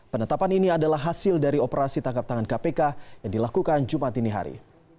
penetapan ini adalah hasil dari operasi tangkap tangan kpk yang dilakukan jumat ini hari